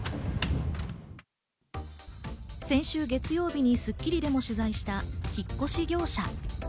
先週月曜日に『スッキリ』でも取材した引っ越し業者。